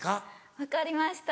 「分かりました」。